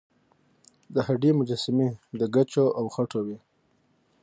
د هډې مجسمې د ګچو او خټو وې